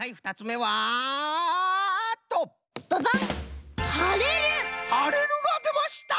「はれる」がでました！